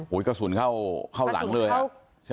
โห้ยกระสุนเข้าหลังเลยอะ